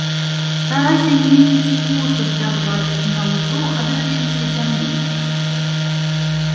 Старайся нейкі спосаб дабраць, няўжо адрачыся зямлі?